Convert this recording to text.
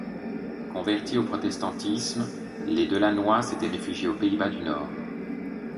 Convertis au protestantisme, les de La Noye s'étaient réfugiés aux Pays-Bas du Nord.